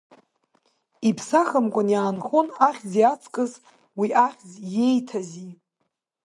Иԥсахымкәан иаанхон ахьӡи ҵакыс уи ахьӡ иеиҭази.